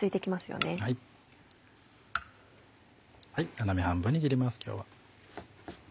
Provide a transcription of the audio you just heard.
斜め半分に切ります今日は。